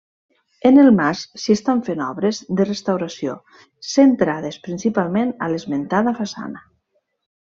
En el mas s'hi estan fent obres de restauració centrades principalment a l'esmentada façana.